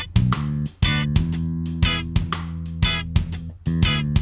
jadi ini sekarang kerempuan memang dari enam tahun